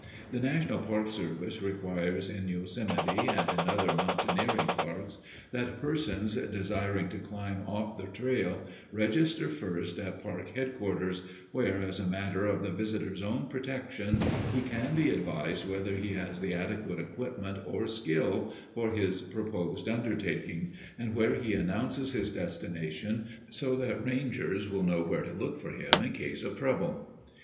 The National Park Service requires, in Yosemite and in other 'mountaineering' parks, that persons desiring to climb off the trail register first at park headquarters, where, as a matter of the visitor's own protection, he can be advised whether he has the adequate equipment or skill for his proposed undertaking, and where he announces his destination so that rangers will know where to look for him in case of trouble.